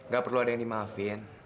gak perlu ada yang dimaafin